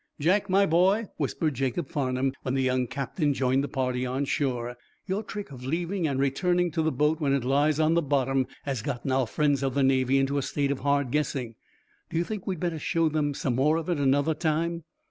"Jack, my boy," whispered Jacob Farnum, when the young captain joined the party on shore, "your trick of leaving and returning to the boat when it lies on the bottom has gotten our friends of the Navy into a state of hard guessing. Do you think we'd better show them some more of it at another time?"